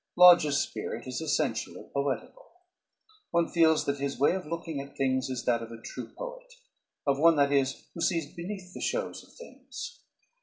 _ Lodge's spirit is essentially poetical. One feels that his way of looking at things is that of a true poet; of one, that is, who sees beneath the shows of things.